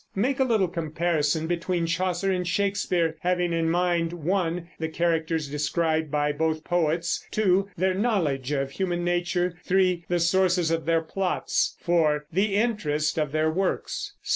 Make a little comparison between Chaucer and Shakespeare, having in mind (1) the characters described by both poets, (2) their knowledge of human nature, (3) the sources of their plots, (4) the interest of their works.